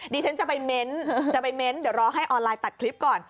ดิฉันจะไปเม้นต์เดี๋ยวรอให้ออนไลน์ตัดคลิปก่อน